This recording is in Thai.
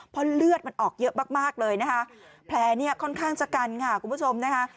เพราะเลือดมันออกเยอะมากมากเลยนะคะแผลเนี่ยค่อนข้างชะกันค่ะคุณผู้ชมนะคะ